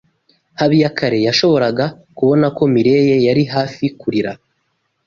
Habiyakare yashoboraga kubona ko Mirelle yari hafi kurira.